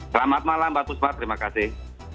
selamat malam mbak puspa terima kasih